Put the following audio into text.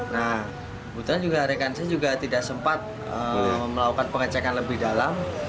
nah kebetulan juga rekan saya juga tidak sempat melakukan pengecekan lebih dalam